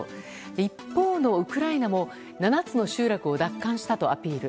一方のウクライナも７つの集落を奪還したとアピール。